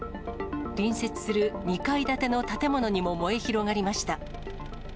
隣接する２階建ての建物にも燃え広がりました。